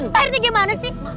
pak rt gimana sih